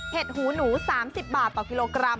หูหนู๓๐บาทต่อกิโลกรัม